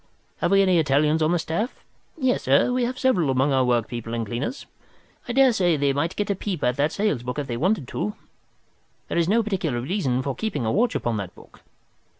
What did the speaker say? Have we any Italians on the staff? Yes, sir, we have several among our workpeople and cleaners. I daresay they might get a peep at that sales book if they wanted to. There is no particular reason for keeping a watch upon that book.